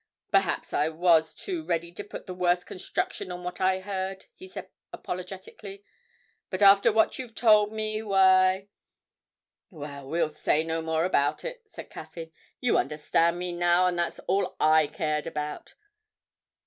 'Perhaps I was too ready to put the worst construction on what I heard,' he said apologetically, 'but after what you've told me, why ' 'Well, we'll say no more about it,' said Caffyn; 'you understand me now, and that's all I cared about.'